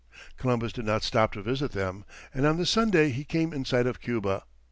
Columbus did not stop to visit them, and on the Sunday he came in sight of Cuba.